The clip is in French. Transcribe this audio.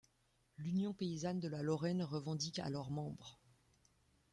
L'Union paysanne de Lorraine revendique alors membres.